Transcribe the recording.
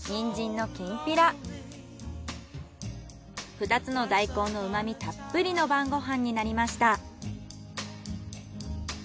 ２つの大根の旨味たっぷりの晩ご飯になりました。